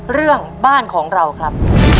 เรื่องบ้านของเราครับ